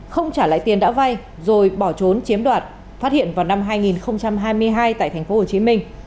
không trả lại tiền đã vay rồi bỏ trốn chiếm đoạt phát hiện vào năm hai nghìn hai mươi hai tại tp hcm